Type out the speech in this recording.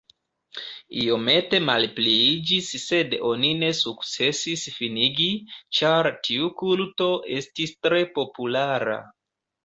Iomete malpliiĝis, sed oni ne sukcesis finigi, ĉar tiu kulto estis tre populara.